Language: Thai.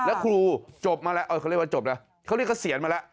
แล้วครูจบมาแล้วเขาเรียกว่าจบแล้วเขาเรียกเกษียณมาแล้ว